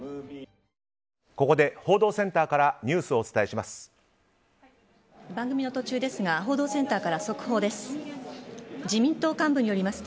ここで報道センターからニュースをお伝えします。